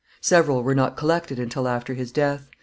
Several were not collected until after his death.